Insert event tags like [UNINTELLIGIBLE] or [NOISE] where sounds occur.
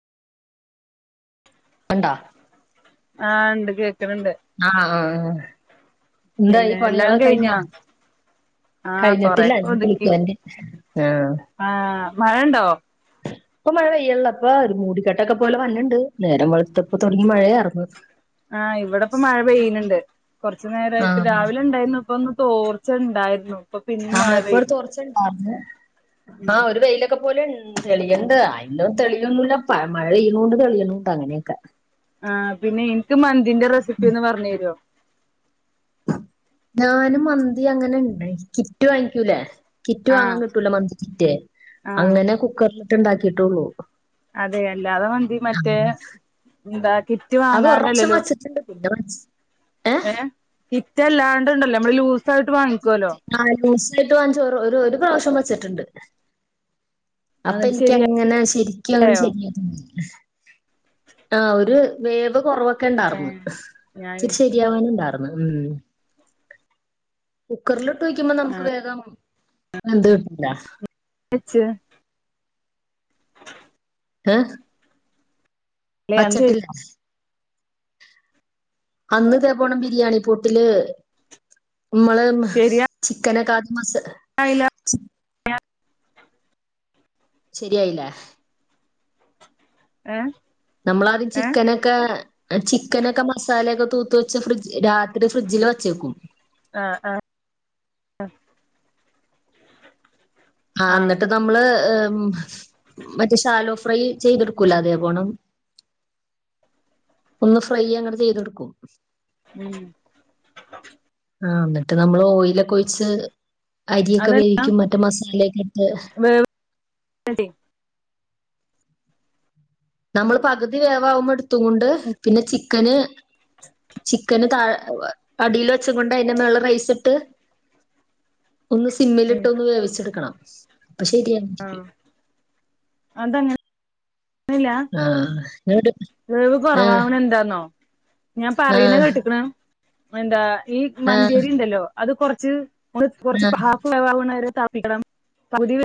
കണ്ടാ? ആഹ് ഇണ്ട് കേക്ക്ണ് ണ്ട്. ആഹ് ആഹ് ആഹ്. എന്തായി പിന്നെ എല്ലാം പണികളൊക്കെ കഴിഞ്ഞോ? ആഹ് കൊറെയൊക്കെ ഒതുക്കി. കുളിക്കാണ്ട് ആ ആഹ് മഴണ്ടോ? ഇപ്പൊ മഴ പെയ്യണില്ല ഇപ്പ, ഒരു മൂടിക്കെട്ടൊക്കെ പോലെ വണ്ണ്ണ്ട്. നേരം വെള്ത്തപ്പ തൊടങ്ങി മഴയാറ്ന്ന്. ആഹ് ഇവിടെ ഇപ്പോ മഴ പെയ്യുന്ന്ണ്ട്. കൊറച്ച് ആ നേരായിട്ട് രാവിലെ ഇണ്ടായിരുന്നു. ഇപ്പൊന്ന് തോർച്ച ഇണ്ടായിരുന്നു. ആഹ് നേരത്തെ ഒരു തോർച്ചണ്ടായിരുന്നു. ആഹ് ഒരു വെയിലൊക്കെ പോലെ ഇ ഉം തെളിയ്ണ്ട്. അയ്ന് തെളിയൊന്നുല്ലപ്പ. മഴ പെയ്യണോണ്ട് തെളിയണുണ്ട്. അങ്ങനെയൊക്കെ. ആഹ് പിന്നെ ഇൻക്ക് മന്തിന്റെ റെസിപ്പി ഒന്ന് പറഞ്ഞു തരോ? ഞാനും മന്തി അങ്ങനെ ഇണ്ടാക്കി കിറ്റ് വാങ്ങിക്കൂലേ? കിറ്റ് വാങ്ങാൻ ആഹ് കിട്ടൂലെ മന്തിക്കിറ്റ്, ആഹ് അങ്ങനെ കുക്കറി ട്ടിട്ട് ഇണ്ടാക്കിയിട്ടുള്ളൂ. അതെ, അല്ലാതെ മന്തി മറ്റേ, എന്താ കിറ്റ് വാങ്ങാണ്ടല്ലല്ലോ? ഫുഡ്ഡ് മത്സ ഏഹ്, കിറ്റല്ലാണ്ട് ഇണ്ടല്ലോ നമ്മള് ലൂസായിട്ട് വാങ്ങിക്കുവല്ലോ ആ ലൂസായിട്ട് വാങ്ങിച്ച് ഒരു ഒരു ഒരു പ്രാവശ്യം വെച്ചിട്ട്ണ്ട്. അപ്പൊ എന്നിട്ട് എനിക്ക് ശരിയാ അങ്ങനെ ശരി ക്കങ്ങനെ ചെയ്യാം. ആഹ് ഒരു വേവ് കൊറവ് ക്കെണ്ടാർന്ന്. ഏഹ് ഞാന് ഇച്ചിരി ശരിയാവാനു ഇണ്ടാർന്ന്. ഉം. കുക്കറിലിട്ട് വയ്ക്കുമ്പോ നമുക്ക് വേഗം വെന്ത് കിട്ടൂല്ല. ഇച്ച് ഈഹ് അല്ലെ വെച്ചട്ടില്ല. അന്ന് ഇതേ പോണ് ബിരിയാണി പൊട്ടില് ഇമ്മള് ചിക്കനൊക്കെ ആക്കി മസാ അയില ശരിയായില്ലേ? ഏഹ്? നമ്മളാദ്യം ചിക്കനെ ക്കെ ചിക്കനൊക്കെ മസാലയൊക്കെ തൂത്ത് വെച്ച് ഫ്രിഡ്ജ് രാത്രി ഫ്രിഡ്ജില് വച്ചേക്കും. ആഹ് ആഹ്. ആഹ് എന്നിട്ട് നമ്മള് മറ്റേ ഷാലോ ഫ്രൈ ചെയ്തെടുക്കൂലേ, അതേപോണം ഒന്ന് ഫ്രൈ അങ്ങട് ചെയ്തെടുക്കും. ഉം. ആഹ് ഇന്നട്ട് നമ്മള് ഓയിലൊക്കെ ഒഴിച്ച് അരിയൊക്കെ അതല്ല വേവിക്കും മറ്റേ മസാലയൊക്കെ ഇട്ട് [UNINTELLIGIBLE] നമ്മള് പകുതി വേവാവുമ്പ എടുത്തുങ്ങൊണ്ട് പിന്നെ ചിക്കന് ചിക്കന് താഴെ അടീല് വെച്ചും കൊണ്ട് അയ്ന്റെ മേളില് റൈസ് ഇട്ട് ഒന്ന് ഉം സിമ്മിലിട്ട് ഒന്ന് വേവിച്ചെടുക്കണം. അപ്പൊ ശരിയ [UNINTELLIGIBLE] അതെങ്ങ ല്ല. ആ എന്നോട് വേവ് ആ കുറവാവണെന്താന്നോ? ഞാൻ ആ പറീണ കേട്ട്ക്ക്‌ണോ? എന്താ ഈ ആ മന്തിയരി ഇണ്ടല്ലോ അത് കൊറച്ച് അത് ആ കൊറച്ച് ഹാഫ് വേവാവണ വരെ തെളപ്പിക്കണം. പകുതി വേ